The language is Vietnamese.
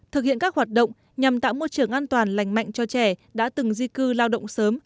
thực hiện các hoạt động nhằm tạo môi trường an toàn lành mạnh cho trẻ đã từng di cư lao động sớm